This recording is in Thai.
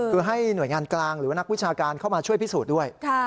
คือให้หน่วยงานกลางหรือว่านักวิชาการเข้ามาช่วยพิสูจน์ด้วย